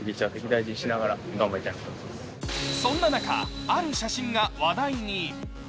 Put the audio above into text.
そんな中、ある写真が話題に。